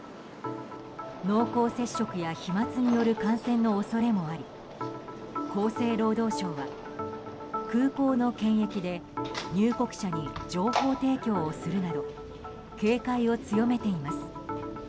濃厚接触や飛沫による感染の恐れもあり厚生労働省は空港の検疫で入国者に情報提供をするなど警戒を強めています。